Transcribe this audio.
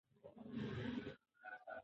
وارث غواړي چې مرغۍ راوړي.